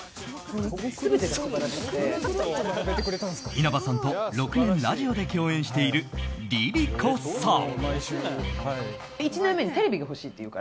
稲葉さんと６年ラジオで共演しているＬｉＬｉＣｏさん。